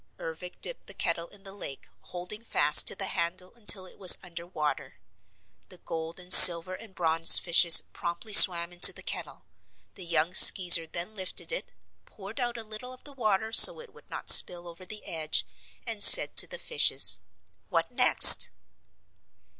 Ervic dipped the kettle in the lake, holding fast to the handle until it was under water. The gold and silver and bronze fishes promptly swam into the kettle. The young Skeezer then lifted it, poured out a little of the water so it would not spill over the edge, and said to the fishes: "What next?"